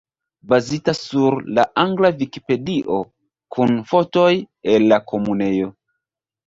Bazita sur la angla Vikipedio, kun fotoj el la Komunejo.